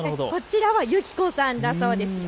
こちらはゆきこさんだそうです。